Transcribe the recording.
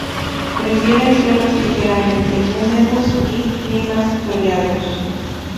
Prefieren suelos ligeramente húmedos y climas soleados.